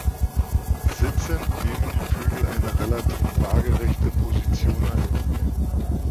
Sitzend nehmen die Vögel eine relativ waagerechte Position ein.